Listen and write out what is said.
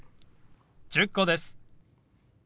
１０個です。